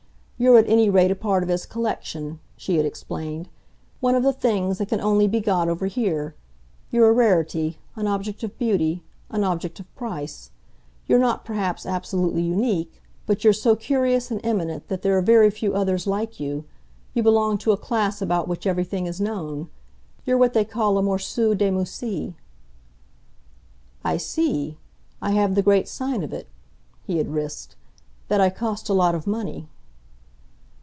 You're at any rate a part of his collection," she had explained "one of the things that can only be got over here. You're a rarity, an object of beauty, an object of price. You're not perhaps absolutely unique, but you're so curious and eminent that there are very few others like you you belong to a class about which everything is known. You're what they call a morceau de musee." "I see. I have the great sign of it," he had risked "that I cost a lot of money."